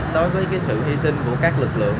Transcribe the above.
đối với sự hy sinh của các lực lượng